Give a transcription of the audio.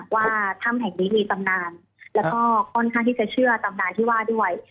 ว่าถ้ำแห่งนี้มีตำนานแล้วก็ค่อนข้างที่จะเชื่อตำนานที่ว่าด้วย